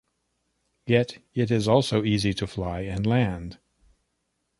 Yet it is also easy to fly and land.